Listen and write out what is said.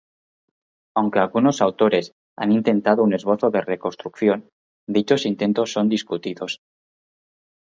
Aunque algunos autores han intentado un esbozo de reconstrucción, dichos intentos son discutidos.